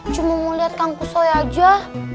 cuma mau lihat kang kusoy aja